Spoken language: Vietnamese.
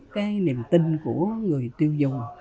cái niềm tin của người tiêu dùng